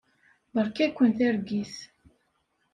Beṛka-ken targit.